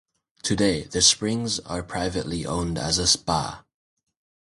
Today, the springs are privately owned as a spa.